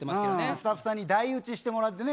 スタッフさんに代打ちしてもらってね。